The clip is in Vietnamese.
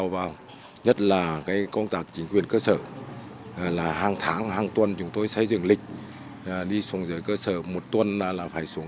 một tuần là phải xuống cơ sở ba lần